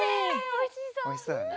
おいしそうだね。